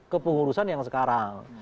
kepengurusan yang sekarang